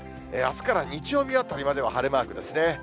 あすから日曜日あたりまでは晴れマークですね。